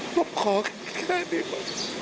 ผมขอแค่นี้เลย